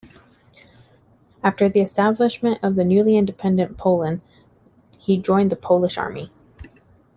After the establishment of the newly independent Poland, he joined the Polish Army.